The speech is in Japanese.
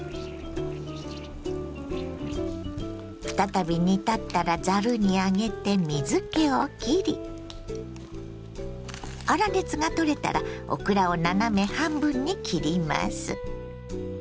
再び煮立ったらざるに上げて水けをきり粗熱が取れたらオクラを斜め半分に切ります。